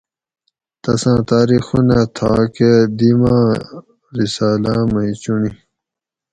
تساں تاریخونہ تھا کہ دی ما آں رسالاۤ مئ چُنڑی